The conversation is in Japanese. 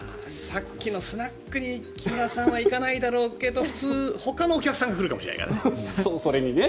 さっきのスナックに木村さんは行かないだろうけどほかのお客さんが来るかもしれないからね。